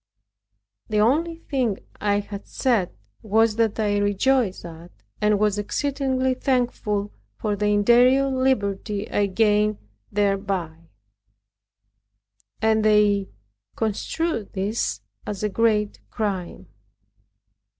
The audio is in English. The only thing that I said was, that I rejoiced at, and was exceedingly thankful for the interior liberty I gained thereby; and they construed this as a great crime.